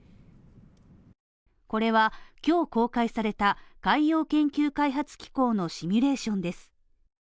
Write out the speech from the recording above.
これは今日公開された海洋研究開発機構のシミュレーションです。